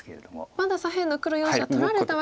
まだ左辺の黒４子は取られたわけではない。